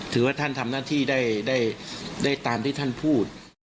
ถือว่าท่านทำหน้าที่ได้ตามที่ท่านพูด